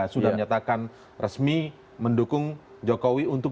sudah menyatakan resmi mendukung jokowi untuk dua ribu sembilan belas